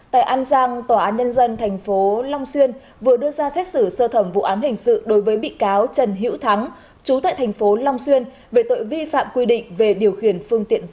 tại an giang tòa án nhân dân tp long xuyên vừa đưa ra xét xử sơ thẩm vụ án hình sự đối với bị cáo trần hữu thắng chú tại thành phố long xuyên về tội vi phạm quy định về điều khiển phương tiện